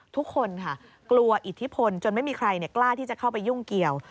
ทุกคนค่ะกลัวอิทธิพลจนไม่มีใครกล้าที่จะเข้าไปยุ่งเกี่ยว